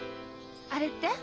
「あれ」って？